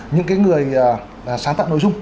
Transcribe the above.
những cái người sáng tạo nội dung